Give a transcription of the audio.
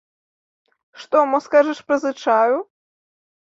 Што, мо скажаш, пазычаю?